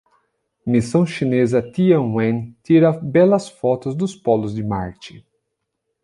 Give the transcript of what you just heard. Missão chinesa Tianwen tira belas fotos dos polos de Marte